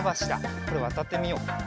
これわたってみよう。